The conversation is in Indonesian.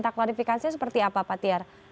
dan verifikasinya seperti apa pak tiar